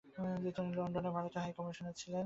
তিনি লন্ডনে ভারতের হাইকমিশনার ছিলেন।